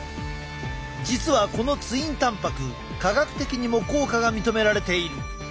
実はこのツインたんぱく科学的にも効果が認められている。